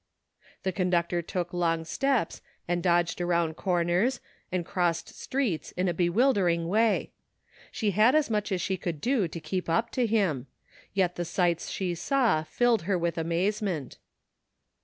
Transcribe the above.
The conductor took long steps and dodged around corners and crossed streets in a bewil dering way. She had as much as she could do to keep up to him ; yet the sights she saw filled her with amazement.